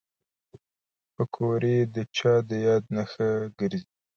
پکورې د چا د یاد نښه ګرځي